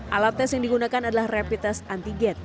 alat tes yang digunakan adalah rapid test antigen